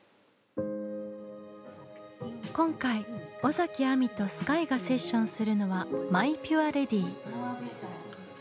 今回尾崎亜美とＳＫＹＥがセッションするのは「マイ・ピュア・レディ」。